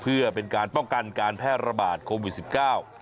เพื่อเป็นการป้องกันการแพร่ระบาดโคมวิว๑๙